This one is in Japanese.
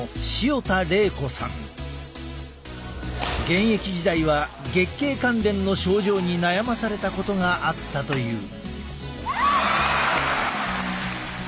現役時代は月経関連の症状に悩まされたことがあったという。